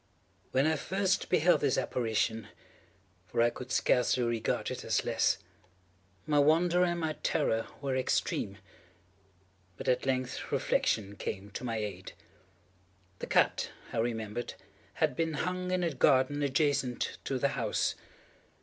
When I first beheld this apparition—for I could scarcely regard it as less—my wonder and my terror were extreme. But at length reflection came to my aid. The cat, I remembered, had been hung in a garden adjacent to the house.